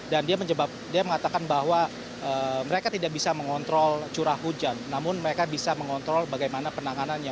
dan dia mengatakan bahwa mereka tidak bisa mengontrol curah hujan namun mereka bisa mengontrol bagaimana penanganannya